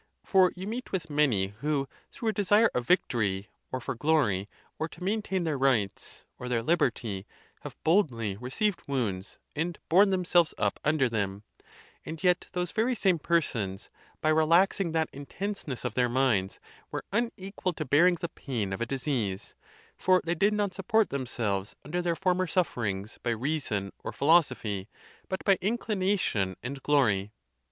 For you meet with many who, through a desire of victory, or for glory, or to maintain their rights, or their liberty, have boldly received wounds, and borne themselves up under them; and yet those very same persons, by relaxing that intenseness of their minds, were unequal to bearing the pain of a disease; for they did not support themselves under their former sufferings by reason or philosophy, but by inclination and glory.